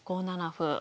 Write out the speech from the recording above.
５七歩。